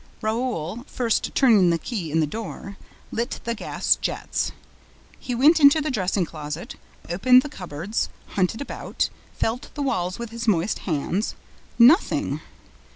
Raoul, first turning the key in the door, lit the gas jets. He went into the dressing closet, opened the cupboards, hunted about, felt the walls with his moist hands. Nothing!